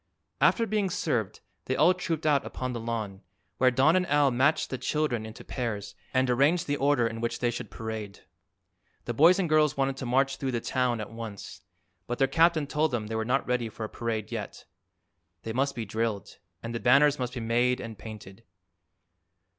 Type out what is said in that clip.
After being served they all trooped out upon the lawn, where Don and Al matched the children into pairs and arranged the order in which they should parade. The boys and girls wanted to march through the town at once, but their captain told them they were not ready for a parade yet. They must be drilled, and the banners must be made and painted.